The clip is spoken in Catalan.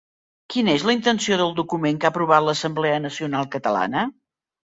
Quina és la intenció del document que ha aprovat l'Assemblea Nacional Catalana?